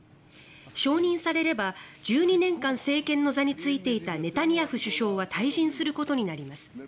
承認されれば１２年間政権の座に就いていたネタニヤフ首相は退陣することになります。